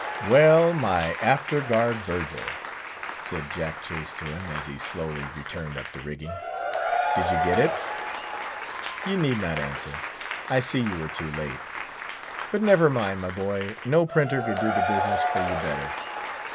"Well, my after guard Virgil," said Jack Chase to him, as he slowly returned up the rigging, "did you get it? You need not answer; I see you were too late. But never mind, my boy: no printer could do the business for you better.